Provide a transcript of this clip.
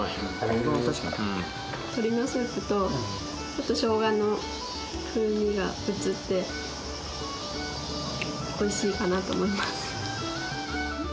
鶏のスープとちょっとしょうがの風味が移っておいしいかなと思います。